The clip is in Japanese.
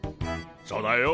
そうだよ。